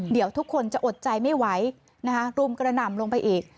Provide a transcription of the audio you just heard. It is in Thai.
เดี๋ยวทุกคนจะอดใจไม่ไหวนะคะรุมกระหน่ำลงไปอีก